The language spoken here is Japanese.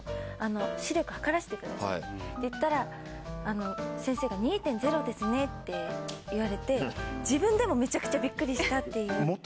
視力測らせてくださいっていったら先生が「２．０ですね」って言われて自分でもめちゃくちゃびっくりしたっていう。